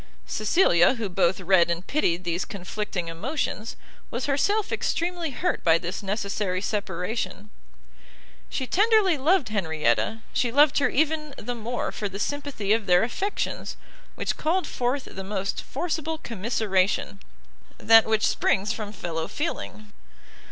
Cecilia, who both read and pitied these conflicting emotions, was herself extremely hurt by this necessary separation. She tenderly loved Henrietta, she loved her even the more for the sympathy of their affections, which called forth the most forcible commiseration, that which springs from fellow feeling!